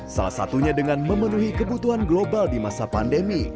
salah satunya dengan memenuhi kebutuhan global di masa pandemi